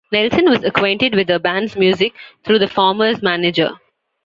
Nelson was acquainted with the band's music through the former's manager.